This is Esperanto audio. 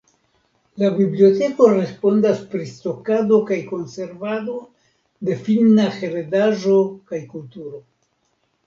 La biblioteko respondecas pri stokado kaj konservado de finna heredaĵo kaj kulturo.